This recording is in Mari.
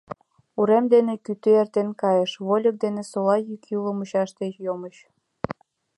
Урем дене кӱтӱ эртен кайыш, вольык ден сола йӱк ӱлыл мучаште йомыч.